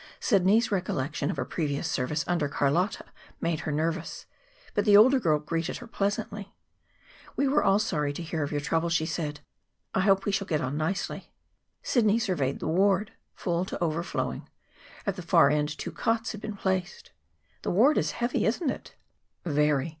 Sidney's recollection of her previous service under Carlotta made her nervous. But the older girl greeted her pleasantly. "We were all sorry to hear of your trouble," she said. "I hope we shall get on nicely." Sidney surveyed the ward, full to overflowing. At the far end two cots had been placed. "The ward is heavy, isn't it?" "Very.